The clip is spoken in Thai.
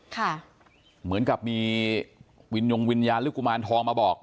เหมือนกับมีวินยงวิญญาณหรือกุมารทองมาบอก